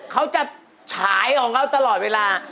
เขาจะฉายของเขาตลอดเวลา